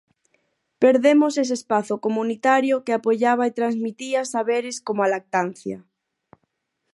Perdemos ese espazo comunitario que apoiaba e transmitía saberes como a lactancia.